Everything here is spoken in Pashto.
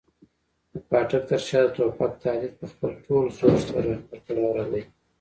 د پاټک تر شا د توپک تهدید په خپل ټول زور سره برقراره دی.